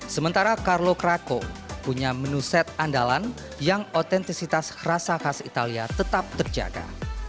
sementara carlo craco punya menu set andalan yang otentisitas rasa khas italia tetap terjaga